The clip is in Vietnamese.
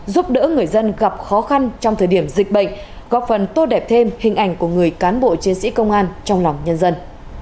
giúp đỡ người dân gặp khó khăn trong thời điểm dịch bệnh góp phần tô đẹp thêm hình ảnh của người cán bộ chiến sĩ công an trong lòng nhân dân